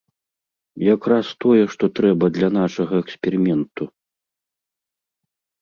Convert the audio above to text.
Якраз тое, што трэба для нашага эксперыменту!